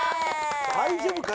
大丈夫か？